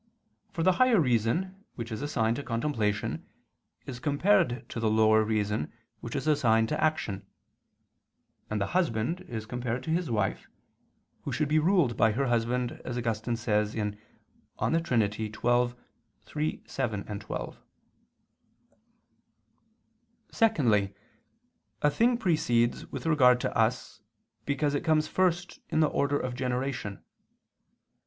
For the higher reason which is assigned to contemplation is compared to the lower reason which is assigned to action, and the husband is compared to his wife, who should be ruled by her husband, as Augustine says (De Trin. xii, 3, 7, 12). Secondly, a thing precedes with regard to us, because it comes first in the order of generation.